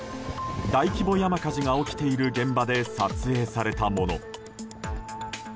大規模山火事が起きている現場で撮影されたもの。